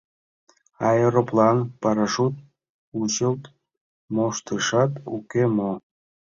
Аэроплан, парашют кучылт моштышат уке мо?!.